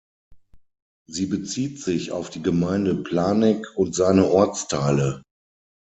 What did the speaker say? Sie bezieht sich auf die Gemeinde Planegg und seine Ortsteile.